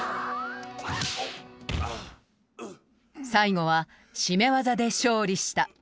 最後は絞め技で勝利した。